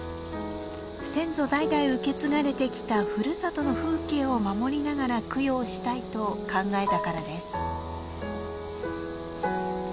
先祖代々受け継がれてきたふるさとの風景を守りながら供養したいと考えたからです。